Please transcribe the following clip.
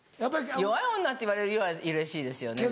弱い女って言われるよりはうれしいですよね